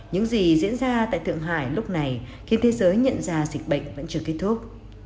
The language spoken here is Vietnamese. những gì diễn ra tại thượng hải lúc này khiến thế giới nhận ra dịch bệnh vẫn chưa kết thúc